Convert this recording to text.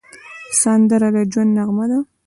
سندره د ژوند نغمه ده